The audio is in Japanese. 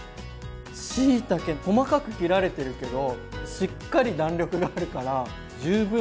しいたけ細かく切られてるけどしっかり弾力があるから十分おいしくなる。